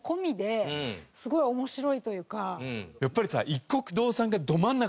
やっぱりさ。